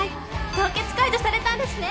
「凍結解除されたんですね！